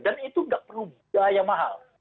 dan itu nggak perlu biaya mahal